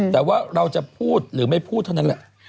แต่ว่าเราจะพูดหรือไม่พูดเท่านั้นแหละ